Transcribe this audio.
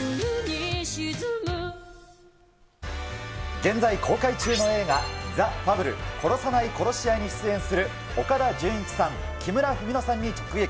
現在、公開中の映画、ザ・ファブル殺さない殺し屋に出演する岡田准一さん、木村文乃さんに直撃。